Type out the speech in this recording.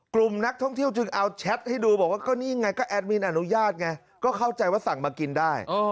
กลุ่มนักท่องเที่ยวจึงเอาแชทให้ดูบอกว่าก็นี่ไงก็แอดมินอนุญาตไงก็เข้าใจว่าสั่งมากินได้